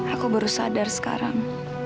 aku baru sadar sekarang